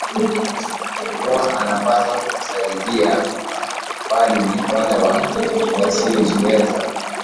kuwa anapaswa kusaidiwa bali ni wale tu wasiojiweza